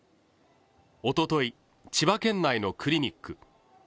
おととい、千葉県内のクリニック。